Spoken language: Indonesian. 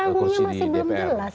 kan panggungnya masih belum jelas